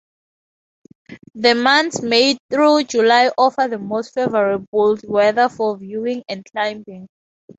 The months May through July offer the most favorable weather for viewing and climbing.